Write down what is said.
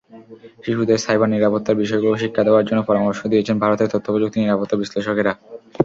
শিশুদের সাইবার নিরাপত্তার বিষয়গুলো শিক্ষা দেওয়ার জন্য পরামর্শ দিয়েছেন ভারতের তথ্য-প্রযুক্তি নিরাপত্তা বিশ্লেষকেরা।